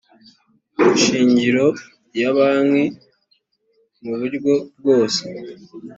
shingiro ya banki mu buryo bwose